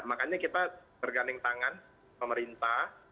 makanya kita berganding tangan pemerintah